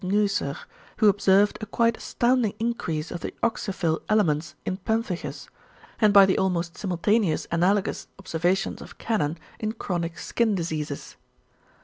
Neusser, who observed a quite astounding increase of the oxyphil elements in pemphigus, and by the almost simultaneous analogous observations of Canon in chronic skin diseases.